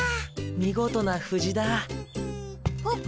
見事な藤だ。ほっ！